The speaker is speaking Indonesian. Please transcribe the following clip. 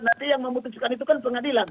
nanti yang memutuskan itu kan pengadilan